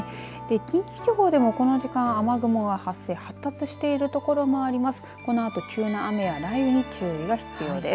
近畿地方でもこの時間、雨雲が発生発達してる所もあります。